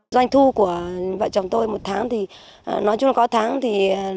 doanh thu của vợ chồng tôi một tháng thì nói chung là có tháng thì